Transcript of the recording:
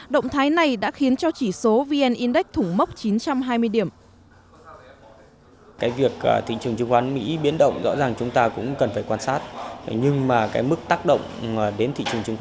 động thái này đã khiến cho chỉ số vn index thủng mốc chín trăm hai mươi điểm